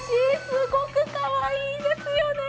すごくかわいいですよね！